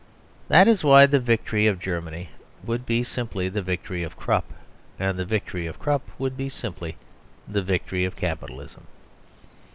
That is why the victory of Germany would be simply the victory of Krupp, and the victory of Krupp would be simply the victory of Capitalism.